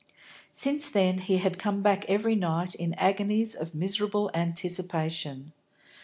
Since then, he had come back every night in agonies of miserable anticipation.